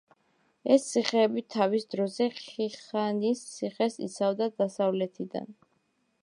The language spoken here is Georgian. ეს ციხეები თავის დროზე ხიხანის ციხეს იცავდა დასავლეთიდან.